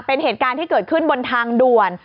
เป็นเหตุการณ์ที่เกิดขึ้นบนทางด่วน